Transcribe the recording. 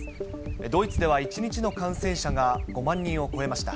ドイツでは１日の感染者が５万人を超えました。